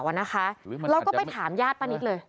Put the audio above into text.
เราก็ไปถามญาติป้านิตเลย